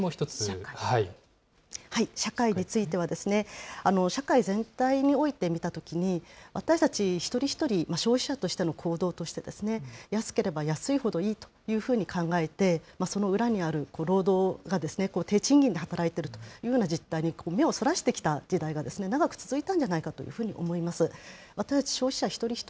社会については、社会全体において見たときに、私たち一人一人、消費者としての行動として、安ければ安いというふうにいいと考えて、その裏にある労働が低賃金で働いているという実態に目をそらしてきた時代が長く続いたんじゃないかと思います。